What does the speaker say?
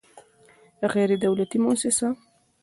غیر دولتي موسسه